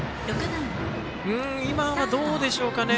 今は、どうでしょうかね。